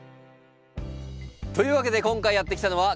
というわけで今回やって来たのは群馬県です。